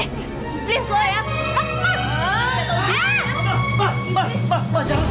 emang ada di dalam daging gaus gaunnya